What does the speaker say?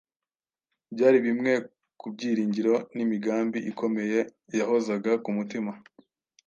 byari bimwe ku byiringiro n’imigambi ikomeye yahozaga ku mutima.